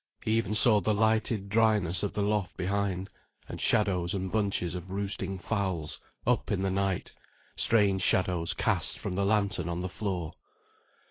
He even saw the lighted dryness of the loft behind, and shadows and bunches of roosting fowls, up in the night, strange shadows cast from the lantern on the floor.